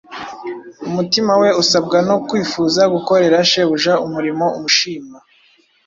Umutima we usabwa no kwifuza gukorera Shebuja umurimo ushimwa.